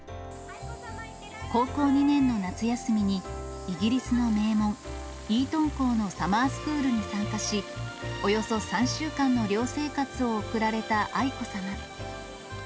高校２年の夏休みに、イギリスの名門、イートン校のサマースクールに参加し、およそ３週間の寮生活を送られた愛子さま。